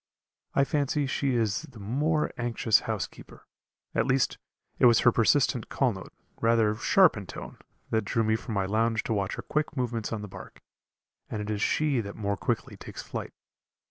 I fancy she is the more anxious housekeeper. At least, it was her persistent call note, rather sharp in tone, that drew me from my lounge to watch her quick movements on the bark, and it is she that more quickly takes flight.